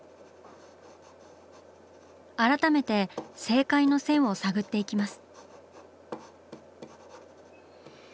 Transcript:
改めて「正解」の線を探っていきます。